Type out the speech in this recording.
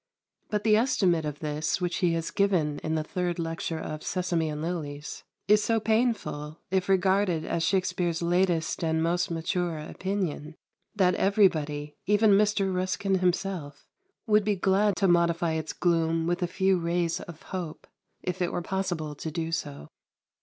But the estimate of this which he has given in the third Lecture of "Sesame and Lilies" is so painful, if regarded as Shakspere's latest and most mature opinion, that everybody, even Mr. Ruskin himself, would be glad to modify its gloom with a few rays of hope, if it were possible to do so.